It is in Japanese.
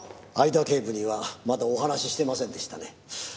会田警部にはまだお話ししてませんでしたね。